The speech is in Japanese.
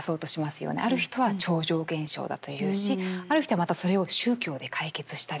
ある人は超常現象だと言うしある人はまたそれを宗教で解決したりする。